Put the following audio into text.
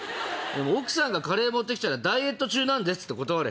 奥さんがカレー持って来たらダイエット中なんですって断れ。